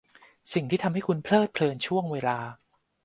สิ่งที่ทำให้คุณเพลิดเพลินชั่วเวลา